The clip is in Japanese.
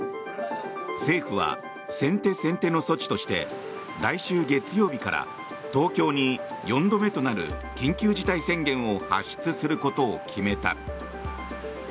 政府は先手先手の措置として来週月曜日から東京に４度目となる緊急事態宣言を発出することを決めた。